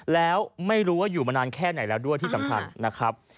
แล้วไม่รู้ว่าอยู่มานานแค่ไหนแล้วด้วยที่สำคัญนะครับ